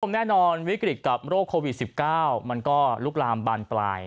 แน่นอนวิกฤตกับโรคโควิด๑๙มันก็ลุกลามบานปลาย